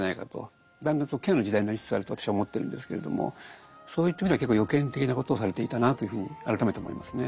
だんだんケアの時代になりつつあると私は思ってるんですけれどもそういった意味では結構予見的なことをされていたなというふうに改めて思いますね。